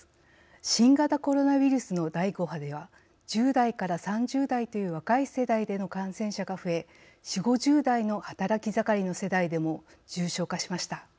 新型コロナウイルスの第５波では１０３０代という若い世代での感染者が増え４０５０代の働き盛りの世代でも重症化しました。